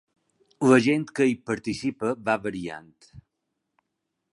La gent que hi participa va variant.